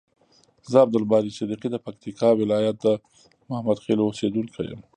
ز عبدالباری صدیقی د پکتیکا ولایت د محمدخیلو اوسیدونکی یم.